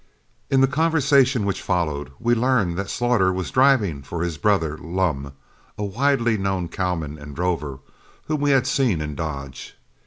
In the conversation which followed, we learned that Slaughter was driving for his brother Lum, a widely known cowman and drover, whom we had seen in Dodge.